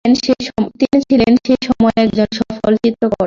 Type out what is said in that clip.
তিনি ছিলেন সে সময়ের একজন সফল চিত্রকর।